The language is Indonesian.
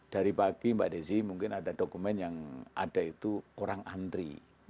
dari pagi mbak desi mungkin ada dokumen yang ada itu orang antri